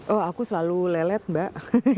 oh aku selalu lelet mbak